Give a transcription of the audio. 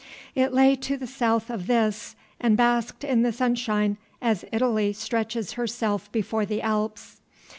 It lay to the south of this, and basked in the sunshine as Italy stretches herself before the Alps.